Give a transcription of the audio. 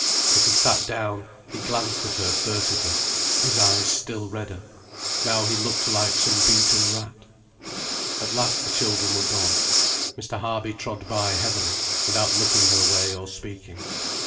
As he sat down, he glanced at her furtively, his eyes still redder. Now he looked like some beaten rat. At last the children were gone. Mr. Harby trod by heavily, without looking her way, or speaking. Mr.